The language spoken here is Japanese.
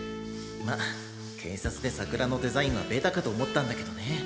まあ警察で桜のデザインはベタかと思ったんだけどね。